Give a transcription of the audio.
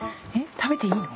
食べていいの？